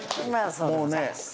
もうね